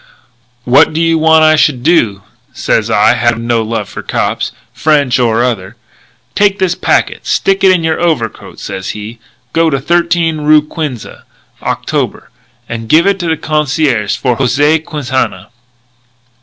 'What do you want I should do?' sez I, havin' no love for no cops, French or other. 'Take this packet and stick it in your overcoat,' sez he. 'Go to 13 roo Quinze Octobre and give it to the concierge for José Quintana.'